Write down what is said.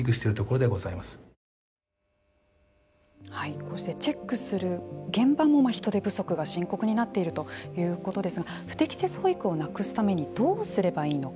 こうしてチェックする現場も人手不足が深刻になっているということですが不適切保育をなくすためにどうすればいいのか。